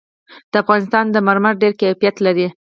د افغانستان مرمر ډېر کیفیت لري.